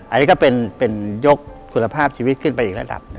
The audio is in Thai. อันนี้ก็เป็นยกคุณภาพชีวิตขึ้นไปอีกระดับหนึ่ง